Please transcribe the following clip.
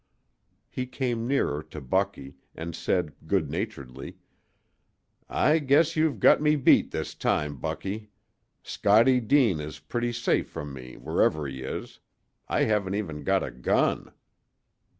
He came nearer to Bucky, and said, good naturedly: "I guess you've got me beat this time, Bucky. Scottie Deane is pretty safe from me, wherever he is. I haven't even got a gun!"